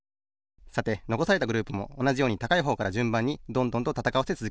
さてのこされたグループもおなじように高いほうからじゅんばんにどんどんとたたかわせつづけます。